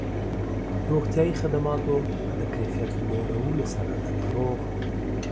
روغتیایي خدماتو د کيفيت لوړولو سره د ناروغ